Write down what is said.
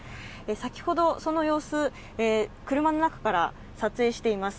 先ほどその様子、車の中から撮影しています。